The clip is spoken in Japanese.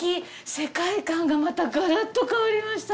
世界観がまたガラッと変わりました。